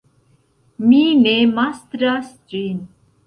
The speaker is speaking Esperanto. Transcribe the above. Mi ne mastras ĝin.